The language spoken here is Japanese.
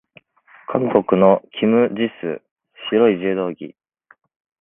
韓国のキム・ジス、白い柔道着。